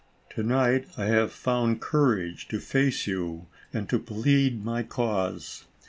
To night I have found cour age to face you and to plead my cause.